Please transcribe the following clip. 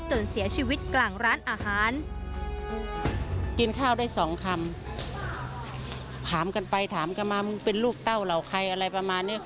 จนเสียชีวิตกลางร้านอาหาร